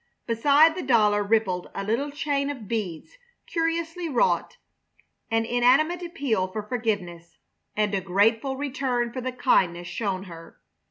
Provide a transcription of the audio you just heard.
Beside the dollar rippled a little chain of beads curiously wrought, an inanimate appeal for forgiveness and a grateful return for the kindness shown her.